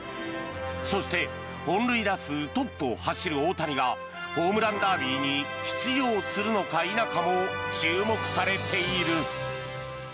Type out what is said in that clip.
そして本塁打数トップを走る大谷がホームランダービーに出場するのか否かも注目されている。